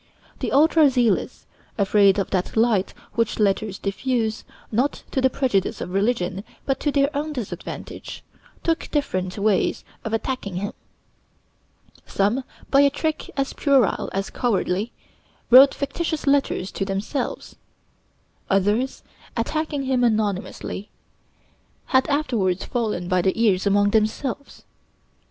The ultra zealous, afraid of that light which letters diffuse, not to the prejudice of religion, but to their own disadvantage, took different ways of attacking him; some, by a trick as puerile as cowardly, wrote fictitious letters to themselves; others, attacking him anonymously, had afterwards fallen by the ears among themselves.